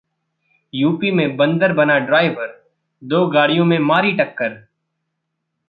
UP में बंदर बना ड्राइवर, दो गाड़ियों में मारी टक्कर